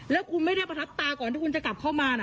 แล้วคุณไม่ได้มาถัดตาก่อนคุณจะกลับเข้ามา